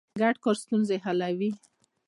ګډ کار ستونزې حلوي.